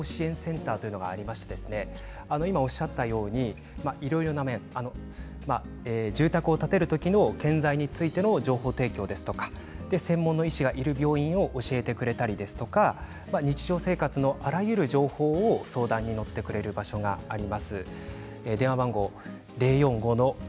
ＮＰＯ化学物質過敏症支援センターというのがありまして今おっしゃったようにいろいろな面住宅を建てる時の建材についての情報提供ですとか専門の医師がいる病院を教えてくれたりですとか日常生活のあらゆる情報を相談に乗ってくれる場所があります。